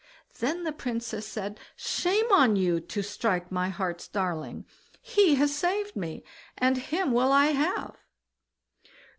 Then the Princess said: "Shame on you! to strike my heart's darling! he has saved me, and him will I have!"